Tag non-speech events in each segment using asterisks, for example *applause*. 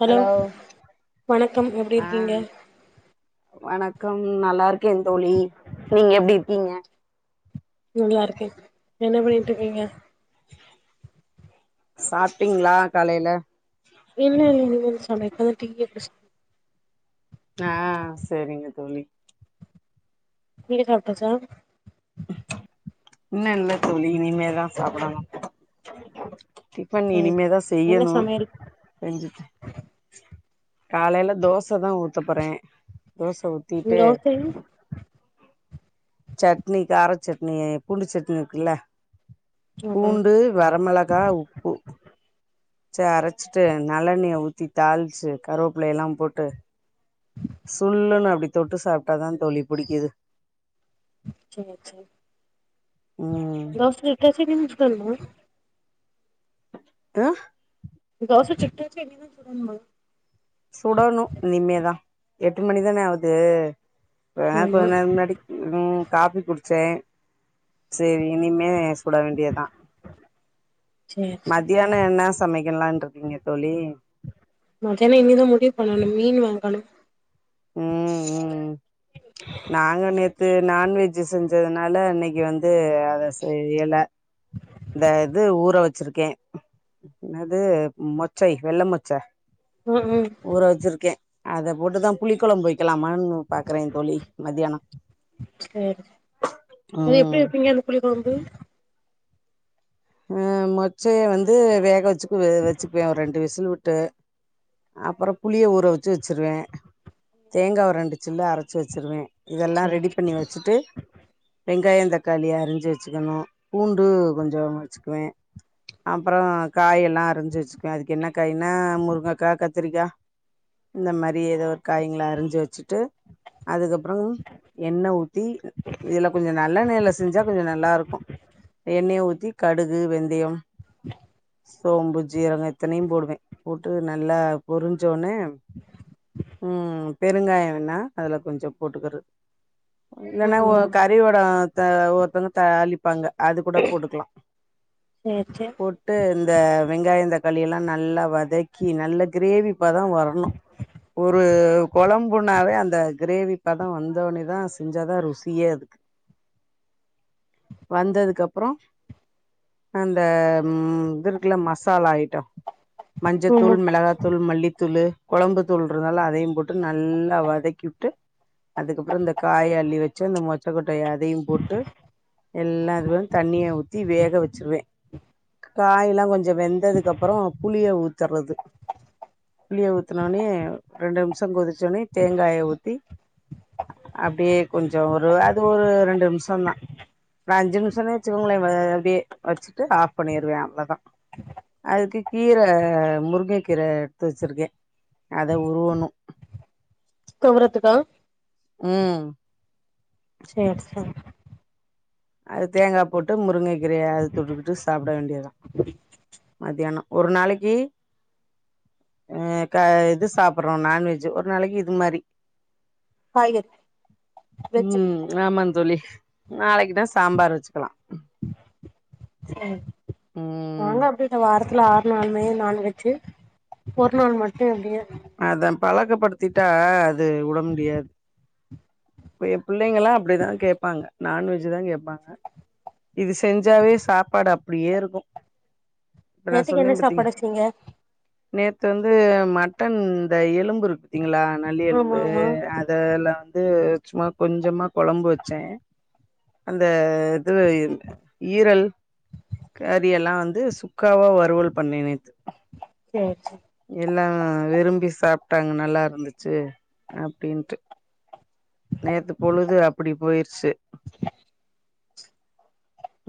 Hello வணக்கம் எப்டி இருக்கீங்க கம் நல்லா இருக்க தோழி நீங்க எப்டி இருக்கீங்க நல்லா இருக்க என்ன பண்ணிட்டு இருக்கீங்க சாப்பிட்டீங்களா காலையில இன்னு இல்லைங்க சமைக்க ப்ப டீ யே குடிச் ஆஹ் செரிங்க தொழி நீங்க சாப்டாச்சா இன்னு இல்ல தோழி இனிமேதா சாப்பிடணு டிபன் சேரி இனிமேதா சேரி என்ன செய்யணு சமையல் செஞ்சுட்டு காலையில தோசை தா ஊத்த போறே தோசை ஊத்திட்டு தோசை சட்னி காரச் சட்னியே பூண்டு சட்னி இருக்குல்ல ஆமா பூண்டு வரமிளகா உப்பு ச்ச அரைச்சிட்டு நல்லெண்ணய ஊத்தி தாளிச்சு கருவேப்பிலையெல்லா போட்டு சுல்லுன்னு அப்டி தொட்டு சாப்ட்டாதா தொழி புடிக்குது செரி செரி ம் தோச *unintelligible* ண்றோ த தோச சுட்டாச்சா இனிதா சுடன்மா சுடணு இனிமேதா எட்டு மணிதானே ஆவுது பதா ஆமா கொஞ்ச நேர முன்னாடி உம் காபி குடுத் சே செரி இனிமே குட வேண்டியதா சேரி சேரி மத்யான என்ன சமைக்க க்கலான்டிருக்கீங்க தொழி மத்யான இனிதா மு டி பண்ணணு மீனு வாங்கணு உம் உம் நாங்க நேத் து நான்வெஜ்ஜூ செஞ்சதுனால இன்னைக்கு வந்து அத செய்யல இந்த இது ஊற வச் சிருக்கே என்னது மொச்சை வெள்ள மொச்சே ம் ம் ஊற வச்சிருக்கே அத போட்டுதா புளிக்கொழம்பு வைக் கலாமான்னு பாக்குறே தோழி சேரி அது எப்டி ம் வைப்பீங்க அந்த புளிக்கொழம்பு ம் மொச்சைய வந்து வேக வச்சுக் வே வச்சிப்பே ஒரு ரெண்டு விசில் விட்டு அப்பறோ புளிய ஊற வச்சு வச்சிருவே தேங்கா ஒரு ரெண்டுச் சில்லு அரச்சு வச்சிருவே இதெல்லா ரெடி சேரி பண்ணி வச்சுட்டு *unintelligible* வெங்காய தக்காளிய அரிஞ்சு வச்சிக்கணு பூண்டு கொஞ்சோ வச்சுகுவேன் அப்பறோ காயெல்லா அரிஞ்சு வச்சுக்குவே அதுக்கு என்ன காய்ன்னா முருங்கக்கா கத்திரிக்கா இந்த மாரி எதோ ஒரு காயங்கள அரிஞ்சு வச்சுட்டு அதுக்கப்றோ எண்ணெ ஊத்தி இதில கொஞ்சோ நல்லெண்ணெய்ல செஞ்சா கொஞ்சோ நல்லாருக்கு எண்ணெயை ஊத்தி கடுகு வெந்தயம் சோம்பு ஜீரக இத்தனையு போடுவே போட்டு நல்லா பொரிஞ்சோன்னே ம் ம் பெருங்காய வேணா அதுல கொஞ்சோ போட்டுக்கற இல்லன்னா ம் ஒ ம் கறி வடவோ த ஒருத்தங்க தாளிப்பாங்க அது கூட போட்டுக்குலா சேரி சேரி போட்டு இந்த வெங்காயோ தக்காளியெல்லா நல்லா வதக்கி நல்ல கிரேவிப்பத வரணு ஒரு கொழம்புனாவே அந்த கிரேவிப்பத வந்தோன்னேதா செஞ்சாதா ருசியே அதுக்கு வந்ததுக்கப்பறோ அந்த ம் இதுருக்குல மசாலா ஐ ஆமா மஞ்சத்தூள் மிளகாத்தூள் மல்லித்தூளு கொழம்புதூளுன்றதால அதையு போட்டு நல்லா வதக்கிவுட்டு அதுக்கப்றோ இந்த காய அள்ளி வச்சு அந்த மொச்ச கொட் டய அதயு போட்டு எல்லாருவு தண்ணிய உத் தி வேக வச்சிருவே காய்லா கொஞ்சோ வெந்ததுக்கப்பறோ புளிய ஊத்தறது புளிய ஊத்துன்னோனே ரெண்டு நிம்சோ கொதிச்சோனே தேங்காய ஊத்தி அப்டியே கொஞ்சோ ஒரு அது ஒரு ரெண்டு நிம்சோ தா ஒரு அஞ்சு நிம்சோனே வெச்சிக்கோங்களே ஆ அப்டியே வச்சுட்டு ஆஃப் பண்ணிருவே அவளோதா அதுக்கு கீர முருங்க கீர எடுத்து வச்சிருக்கே அத உருவணு துவரத்துக்கா ம் சேர் சேர் அது தேங்கா போட்டு முருங்கக் க்ரய அது தொட்டுக்குட்டு சாப்ட வேண்டியதா மதியான ஒரு நாளக்கி ஆ க இது சாப்புட்றோ நான்வெஜ்ஜி ஒரு நாளக்கி இது மாரி காய்கறி வெஜ்ஜு ம் ஆமாந்தோழி நாளைக்கு தா ஸ் தாம்பார் வெச்சுக்கலா சேரி ம் நானு அப்டியே இந்த வாரத் த்துல ஆற் நாள்மே நான்வெச்சு ஒர் நாள் மட்டும் எப்டியே அதன் பலக்கப்படுத்திட்டா து உட முடியாது இப்ப என் பிள் ளைங்களாம் அப்டிதான் கேட்பாங்க நான்வெஜ் தான் கேப்பாங்க இது செஞ்சாவே சாப்பாடு அப்டியேருக்கும் நேத்திக்கு என்ன சாப்பாடச்சீங்க நேத்து வந்து மட்டன் ந்த எலும்புருக் ங்ளா நல்லி ஆமா எலும்பு ஆமா அதல வந்து சும்மா கொஞ்சமா கொலம்பு வச்சன் அந்த *unintelligible* ஈரல் கரி எல்லாம் வந் து சுக்காவா வறுவல் பண்ணேன் நேத்து சேர் செ எல்லான் விரும்பி சாப்ட்டாங் நல்லாருந்துச்சு அப்டின்டு நேத்து பொழுது அப்படி போயிருச்சு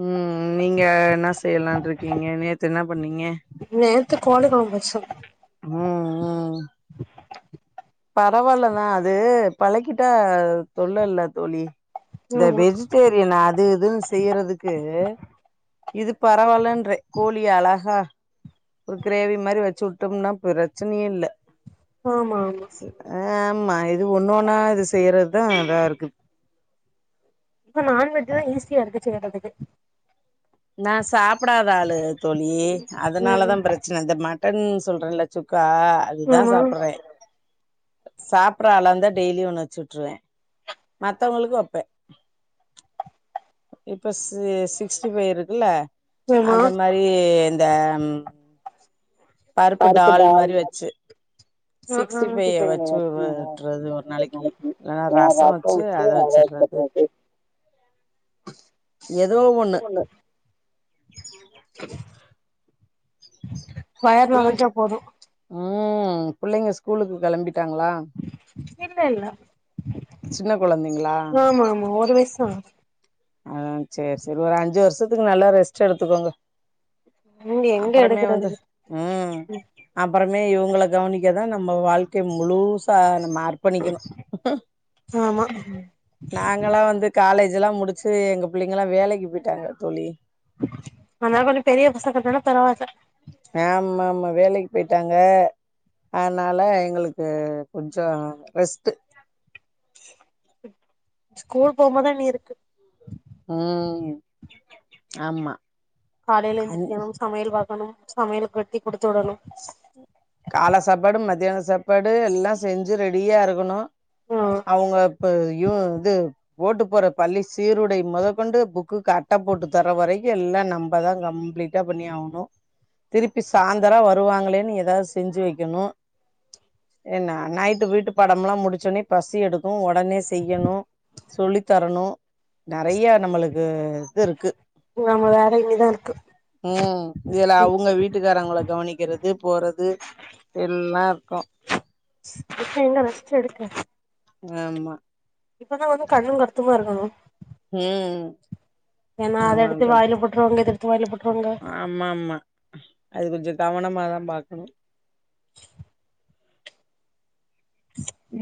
உஹம் நீங்க என்ன செய்யலாம் இருக்கீங்க நேத்து என்ன பண்ணீங்க நேத்து கோழி கொழம்பு வச்சோ உம் ஆ பரவால்ல தான் அது பழக்கிட்டா தொல்லல தோழி இந்த ஆமா வெஜிடேரியன் அது இதுன்னு செய்றதுக்கு இது பரவாலன்றே கோழி அழகா ஒரு கிரேவி மாதிரி வச்சு விட்டோம்னா பிரச்சனையே இல்ல ஆமா ஆமா செ ஆஹ் ஆமா இது ஒண்ணு ஒன்னா இது செய்யறதுதான் அதா இருக்கு இப்ப நான்வெஜ் எல்லாம் ஈஸியா இருக்கு செய்றதுக்கு நான் சா ப்டாத ஆளு தோழி அதனால ம் தான் பிரச்சன இது மட்டன் சொல்றன்ல சு க்கா அதுதான் ஆமா சாப்றேன் சாப்பற ஆள ந்தா டெய்லி ஒண்ணு வச்சுட்டுருவேன் மத்தவங்களுக்கு வைப்பே இப்ப சி சிக்ஸ்டி ஃபைவ் இருக்குல்ல ஆமா அத மாரி இந்த ம் பருப்பு டால் மாரி வச்சு சிக்ஸ்டி ஃபைவ் வச்சு விட்டுறது ஒரு நாளைக்கு இலலன்னா ரசம் வச்சு அத வச்சுடுறது ஏதோ ஒண்ணு உம் வயர் நெறஞ்சா போதும். உம் பிள்ளைங்க ஸ்கூலுக்கு கிளம்பிட்டாங்களா இல்ல இல்ல கொழந்தைங்களா ஆமா ஆமா ஒரு வயசு தா அத சரி சரி ஒரு அஞ்சு வருஷத்துக்கு நல்லா ரெஸ்ட் எடுத்துக்கோங்க இங்க எங்க அப்புறமே வந்து எடுக்குறது உம் அப்புறம் மே இவங்கள கவனிக்க தான் நம்ம வாழ்க்கை முழுசா மார்க் பண்ணிக்கணும் ஆமா நாங்களாம் வந்து காலேஜ் ல்லாம் முடிச் சி எங்க பிள்ளைங்கல்லாம் வேலைக்கு போயிட்டாங்க தோழி அதனால கொஞ்சம் பெரிய பசங்க தானா பரவாயில்ல ஆமா ஆமா வேலைக்கு பேயிட்டாங்க அதனால எங்களுக்கு கொஞ்சம் ரெஸ்ட் ஸ்கூல் போகபோம்பா தா இனி இருக்கு உம் ம் ஆமா காலையையில் அந் எந்திரிக்கணும் சமையல் பா க்கணும் சமையலுக்கு கட்டி கொடுத்து விடணும் கால சாப்பாடு மதியான சாப்பாடு எல்லாம் செஞ்சு ரெடியா இருக்கணும் ம் அவுங்க இப்ப யும் இது ஓட்டு போற பள்ளி சீருடை முதக்கொண்டு புக்குக்கு அட்ட போட்டு தர வரைக்கும் எல்லாம் நம்மதான் கம்ப்ளீட்டா பண்ணி ஆகணும் திருப்பி சாயந்தரா வருவாங்களேன்னு ஏதாவது செஞ்சு வைக்கணும் என்ன நைட்டு வீட்டு பாடம் எல்லாம் முடிச்சடே பசி எடுக்கும் உடனே செய்யணும் சொல்லித்தரணும் நெறைய நம்மளுக்கு இது இருக்கு நம்ம வேல இனிதா இருக்கு உம் இதுல அவுங்க வீட்டுக்காரவங்க கவனிக்கிறது போறது அது எல்லாம் இருக்கும் இப்ப என்ன ரெஸ்ட் எடுக்க ஆமா இப்பதான் வந்து கண்ணும் கருத்துமா இருக்கணும் ம் ஏனா அத ஆமா எடுத்து தோழி வாயில போட்டுறவாங்க இத எடுத்து *unintelligible* ஆமா ஆமா அது கொஞ்சம் கவனமாதான் பா உம்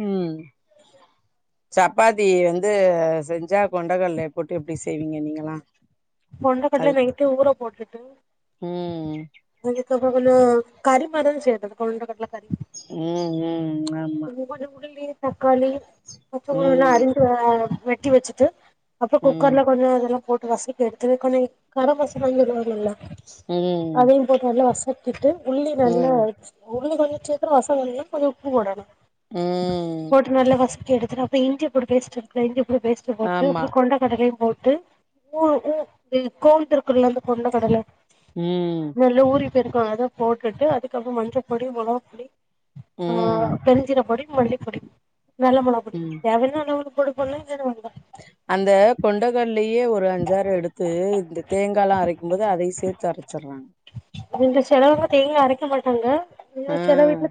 உம் சப்பாத்தி வந்து செஞ்சா கொண்டகல்ல போட்டு எப்டி செய்வீங்க நீங்கல்லாம் கொண்டைக்கடல நைட்டு ஊற போட்டுட்டு ம் அது அதுக்கப்புறம் கொஞ்சோ கரி மாரிதா செய்யது கொண்ட கடல கரி உம் உம் ம் ஆமா *unintelligible* தக்காளி பச்சமொளக ம் எல்லாம் அறிந்து வெட்டி வெச்சுட்டு அப்போ ம் குக்கர்ல கொஞ்சோ இதெல்லா போட் டு வசி எடுத்துது கொன கார வசன சொல்லல்ல ம் அதையும் போட்டு நல்லா வாசோ டிப் ட்டு உள்ளி நல்லா ம் உலுவி கொஞ்சோ சேக்கறோ வசோ கொஞ்சோ கொஞ்சோ உப்பு போடனு ஊம் எடுத்து அப்பறோ இஞ்சி பூண்டு பேஸ்ட்டு *unintelligible* பேஸ்ட் போட்டு ஆமா அப்புறோ கொண்டகடலையும் போட் டு *unintelligible* லிருந்து கொண்ட கடல ம் நல்லா ஊறி இருக்க அத போட்டுட்டு அதுக்கப்புறம் மஞ்சப் பொடி மிளகா பொடி உம் பெருஞ்சீரக பொடி மல்லிப்பொடி நல்ல மிளகாபொடி ம் தேவைனா இன்னு கொஞ்சோ பொடி உடனே ஜீரணமாகுதா அந்த கொண்டகள் யே ஒரு அஞ்சாரு எடுத்து இந்த தேங்கால்லா அரைக்கும்போது அதையு சேர்த்து அரைச்சிடறாங்க இங்க சிலவங்க தேங்கா அரைக்க மாட்டாங்க ஆஹ்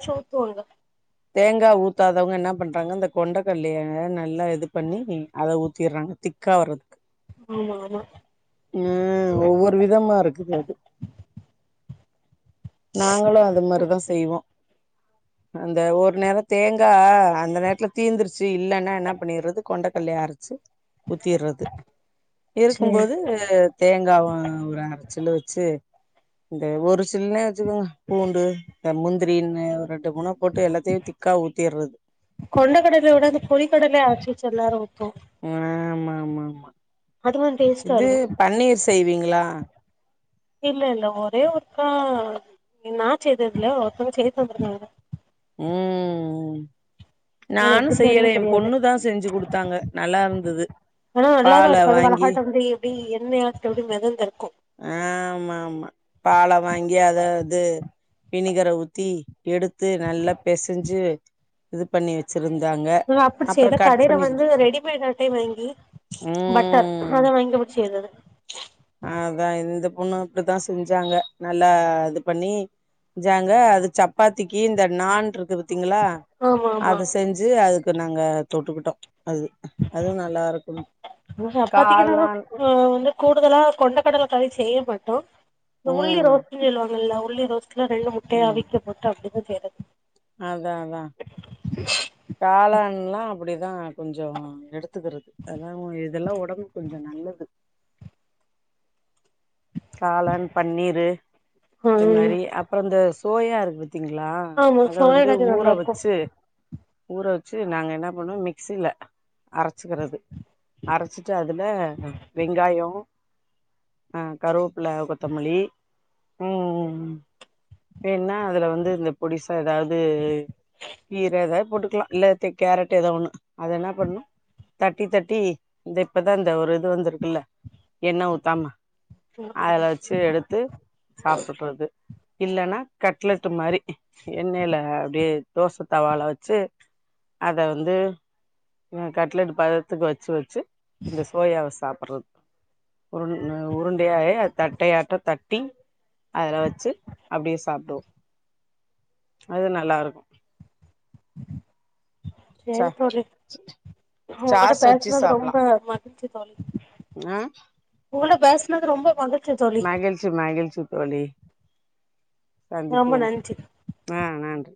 சச்சு ஊத்துவாங்க தேங்கா ஊத்தாதவங்க என்ன பண்றாங்க இந்த கொண்டைக்கல்லய நல்லா இது பண்ணி அத ஊத்திர்றாங்க திக்கா வர்றதுக்கு ஆமா ஆமா உஹம் ஒவ்வொரு விதமா இருக்குது அது நாங்களு அது மாரிதா செய்வோ அந்த ஒரு நேரோ தேங்கா அந்த நேரத்துல தீந்துருச் சு இல்லைன்னா என்ன பண்ணிறது கொண்டக்கல்லய அரச்சு ஊத்திர்றது சேரி இருக்கும்போது தேங்காவு ஒரு அரச்சிலு வெச்சு இந்த ஒரு சின்ன வெங்காய பூண்டு ப்ப முந்திரின்னு ஒரு எடத் கொண்டகடலயோட அந்த புளி கடல அரச்சு ச்சு எல்லாரு ஊத்துவோ ஆமா, ஆமாமா அது கொஞ்சோ டேஸ்ட்டா இது இருக்கு பன்னீர் செய்வீங்களா இல்ல இல்ல ஒரே ஒருக்கா நா செய்ததுல்ல ஒருத்தவங்க செய்து தந்துருகாங்க ஊம் அது நானு எப்டி செய்யல செய்யணுனு என் தெரியாது பொண்ணுதா செஞ்சு கொடுத்தாங்க நல்லா இருந்தது ஆனா நல்லாதா பால இருக்கு அது வாங்கி வழகாட்ட வந்து எப்டி எண்ணெயாட்ட எப்டி மெதந்திருக்கு ஆ ஆமா ஆமா பால வாங்கி அத இது வினிகர ஊத்தி எடுத்து நல்லா பெசஞ்சு இது பண்ணி வச் நா அப்டி செய்ல கடையில வந்து ரெடிமேடு அட்டைய வாங்கி பட்டர் ம் அத வாங்கி அப்படி செய்தது அதா இந்த பொண்ணு இப்படித்தா செஞ்சாங்க நல்லா இது பண்ணி ஞ்சாங்க அது சப்பாத்திக்கு இந்த நாண் இருக்குது திங்லா ஆமா ஆமா அத செஞ்சு அது ருந்தாங்க நாங்க தொட்டுக்கிட்டோ அது அதுவு நல்லா இருக்கும் சப்பாத்திக்கு நாங்க காளான் ஆ வந்து கூடுதலா கொண்டக்கடலக்களி செய்யமாட்டோ இந்த ம் *unintelligible* *unintelligible* ட்ல ரெண்டு முட்டைய ம் அவிக்க போட்டு அப்டி *unintelligible* அதா அதா காளான்லா அப்டி தா கொஞ்சம் எடுத்துக்கிறது அதா ஓ இதெல்லா ஒடம்புக் கொஞ் சோ நல்லது காளான் பன்னீரு இது ம் மாரி அப்பறோ இந்த ஸ் சோயா இருக்கு தீங்களா ஆமா அத வந்து சோயாகாதி ஊற நல்லா இருக்கு வச்சு ஊற வச்சு நாங்க என்ன பண்ணுவோ மிக்சியில அரச்சிக்கிறது அரச்சிட்டு அதுல வெங்காயோ அ கருவ பில்ல கொத்தமல்லி ம் ம் ஏன்னா அதுல வந்து இந்த பொடிசா ஏதாவ்து கீர எதா போட்டு திவா இல்ல தி கேரட் ஏதோ ஒண்ணு அதென்னா பண்ணு தட்டி தட்டி இந்த இப்பதா இந்த ஒரு இது வந்திருக்குல்ல எண்ண ஊத்தாம ம் அதுல வச்சு எடுத்து சாப்பறது இல்லன்னா கட்லெட் மாரி எண்ணெல அப்டியே தோச தவால வச்சு அத வந்து ம் கட்லெட் பதத்துக்கு வச்சு வச்சு அந்த சோயாவ சாப் றது உருண் உருண்டையாயே தட்டையாட்டோ தட்டி அதுல வச்சு அப்டியே சாப்டுவோ அது நல்லா இருக்கு ச சேரி தோழி ஒங்ககிட்ட சாஸ் பேசுனது ரொம்ப மகி புரிஞ்ச்சு தோழி ம் உங்கள்ட பேசுனது ரொம்ப மகிழ் மகிழ்ச்சி மகிழ்ச்சி தோழி ரொம்ப சந்திப்போம் நன்றி ஆஹ் நன்றி